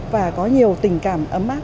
và có nhiều tình cảm ấm áp